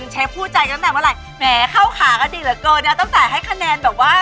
เชฟแอแน่